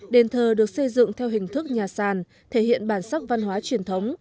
đền thờ được xây dựng theo hình thức nhà sàn thể hiện bản sắc văn hóa truyền thống